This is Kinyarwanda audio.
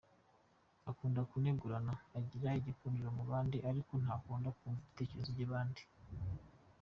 Akunda kunegurana, agira igikundiro mu bandi ariko ntakunda kumva ibitekerezo by’abandi.